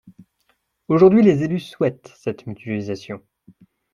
Aujourd’hui, les élus souhaitent cette mutualisation.